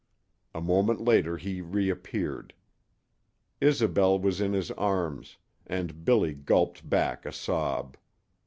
A moment later he reappeared. Isobel was in his arms, and Billy gulped back a sob.